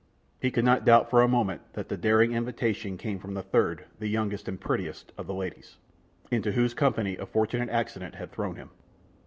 He could not doubt for a moment, that the daring invitation came from the third, the youngest and prettiest of the ladies, into whose company a fortunate accident had thrown him.